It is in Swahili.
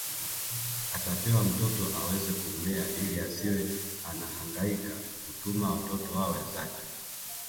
Atapewa mtoto aweze kumlea ili asiwe anahangaika kutuma watoto wa wenzake